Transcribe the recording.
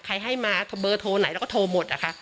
ให้มาเบอร์โทรไหนเราก็โทรหมดนะคะ